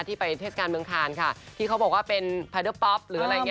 ไปเทศกาลเมืองคานค่ะที่เขาบอกว่าเป็นพาเดอร์ป๊อปหรืออะไรอย่างนี้